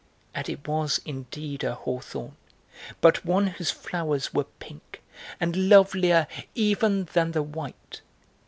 And it was indeed a hawthorn, but one whose flowers were pink, and lovelier even than the white.